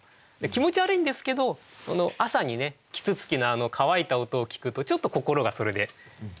気持ち悪いんですけど朝にね啄木鳥の乾いた音を聞くとちょっと心がそれで晴れるような。